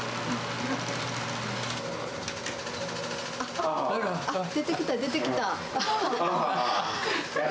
あっ、出てきた、出てきた。